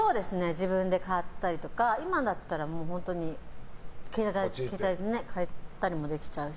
自分で買ったりとか今だったら携帯で買えたりもできちゃうし。